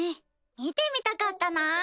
見てみたかったなぁ。